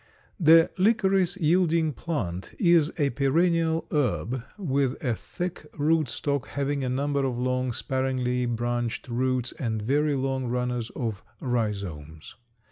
_ The licorice yielding plant is a perennial herb with a thick root stock, having a number of long sparingly branched roots and very long runners or rhizomes.